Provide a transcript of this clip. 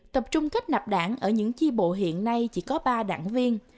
tập trung kết nạp đảng ở những chi bộ hiện nay chỉ có ba đảng viên